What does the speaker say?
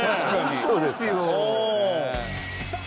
そうですか？